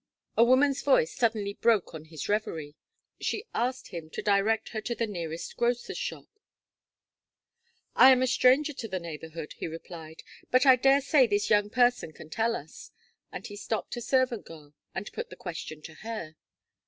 A woman's voice suddenly broke on his reverie. She asked him to direct her to the nearest grocer's shop. "I am a stranger to the neighbourhood," he replied; "but I dare say this young person can tell us;" and he stopped a servant girl, and put the question to her.